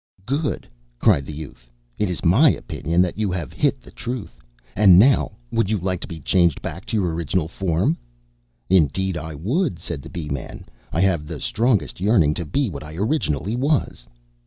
"Good!" cried the Youth. "It is my opinion that you have hit the truth. And now would you like to be changed back to your original form?" "Indeed I would!" said the Bee man, "I have the strongest yearning to be what I originally was."